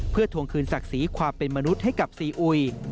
เพื่อทวงคืนศักดิ์ศรีความเป็นมนุษย์ให้กับซีอุย